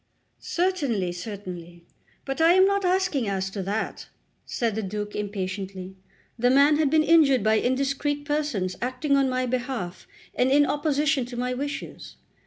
"Certainly, certainly; but I am not asking as to that," said the Duke impatiently. "The man had been injured by indiscreet persons acting on my behalf and in opposition to my wishes."